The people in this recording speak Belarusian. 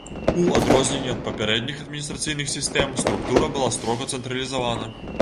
У адрозненне ад папярэдніх адміністрацыйных сістэм, структура была строга цэнтралізавана.